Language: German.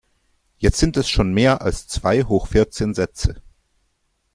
Jetzt sind es schon mehr als zwei hoch vierzehn Sätze.